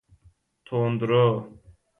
تندرو